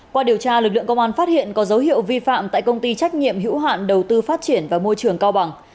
qua điều tra lực lượng công an phát hiện có dấu hiệu vi phạm tại công ty trách nhiệm hữu hạn đầu tư phát triển và môi trường cao bằng